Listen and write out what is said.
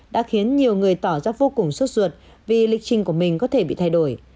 đã khiến nhiều người tỏ ra vô cùng sốt ruột vì lịch trình của mình có thể bị thay đổi